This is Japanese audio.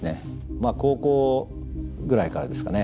まあ高校ぐらいからですかね